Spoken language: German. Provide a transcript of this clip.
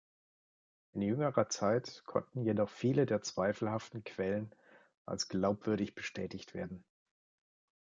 In jüngerer Zeit konnten jedoch viele der zweifelhaften Quellen als glaubwürdig bestätigt werden.